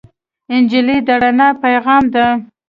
نجلۍ د رڼا پېغام ده.